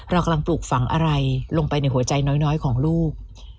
เรากำลังปลูกฝังอะไรลงไปในหัวใจน้อยของลูก